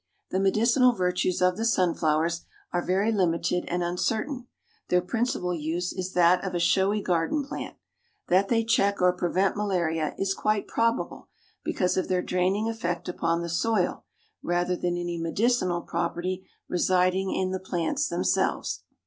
The medicinal virtues of the sunflowers are very limited and uncertain. Their principal use is that of a showy garden plant. That they check or prevent malaria is quite probable, because of their draining effect upon the soil rather than any medicinal property residing in the plants themselves.